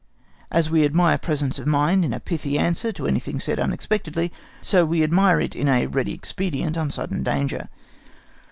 As we admire presence of mind in a pithy answer to anything said unexpectedly, so we admire it in a ready expedient on sudden danger.